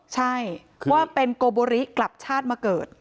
ใช่ว่าเป็นโกโบริกลับชาติมาเกิด